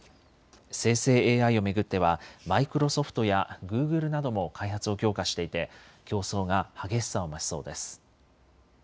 生成ＡＩを巡ってはマイクロソフトやグーグルなども開発を強化していて競争が激しさを増しそうです。